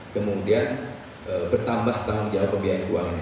kemudian bertambah tanggung jawab pembayaran uang ini